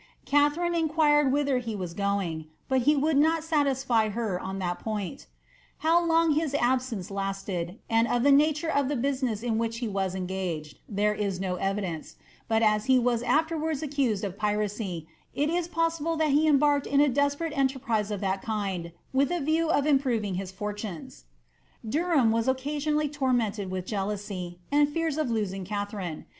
"' Katharine inquired whither he was going, but he would not satidy her on that point. How long his absence lasted, and of the nature df tbe business in which he was engaged, there is no evidence ; but as he wm afterwards accused of piracy, it is possible that he had embarked in i desperate enterprise of that kind with a view of improving his fortnaea Derham was occasionally tormented with jealousy, and feare of loeiof Katharine.